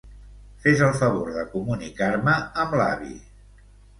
Fes el favor de comunicar-me amb l'avi.